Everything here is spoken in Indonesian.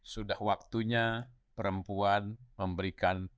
sudah waktunya perempuan memberikan